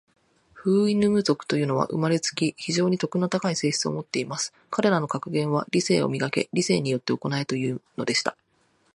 フウイヌム族というのは、生れつき、非常に徳の高い性質を持っています。彼等の格言は、『理性を磨け。理性によって行え。』というのでした。